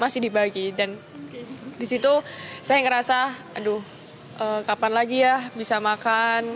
masih dibagi dan disitu saya ngerasa aduh kapan lagi ya bisa makan